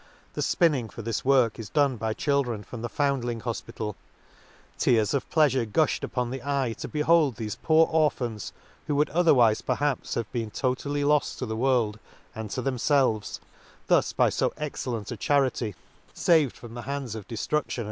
— The fpinning for this work is done by children from the found ling HofpitaL — Tears of pleafure gufhed upon the eye, to behold thefe poor or phans, who would otherwife perhaps have been totally loft to the world and to themfelves, thus, by fo excellent a chari ty, faved from the hands of deftrudtion and the Lakes.